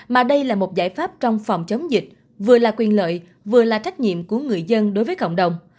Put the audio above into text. mà đây là một giải pháp trong phòng chống dịch vừa là quyền lợi vừa là trách nhiệm của người dân đối với cộng đồng